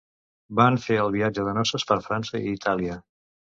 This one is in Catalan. Van fer el viatge de noces per França i Itàlia.